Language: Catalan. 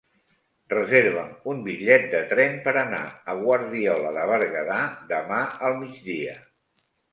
Reserva'm un bitllet de tren per anar a Guardiola de Berguedà demà al migdia.